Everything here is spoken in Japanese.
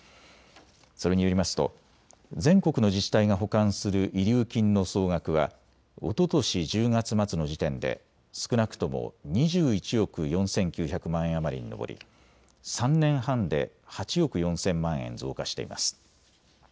それによりますと全国の自治体が保管する遺留金の総額はおととし１０月末の時点で少なくとも２１億４９００万円余りに上り３年半で８億４０００万円増加しています。